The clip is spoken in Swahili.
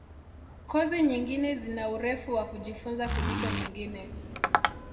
Kozi nyingine zina urefu wa kujifunza kuliko nyingine.